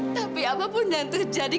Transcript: tapi apapun yang terjadi